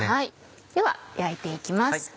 では焼いて行きます。